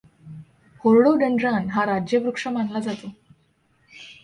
Rhododendron हा राज्यवृक्ष मानला जातो.